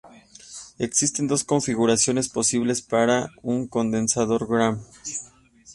Existen dos configuraciones posibles para un condensador Graham.